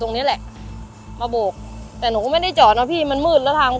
สวัสดีครับที่ได้รับความรักของคุณ